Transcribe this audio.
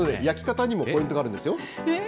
焼き方にもポイントがあるんですよ。